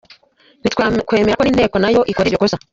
Ntitwakwemera ko n’inteko nayo ikora iryo kosa.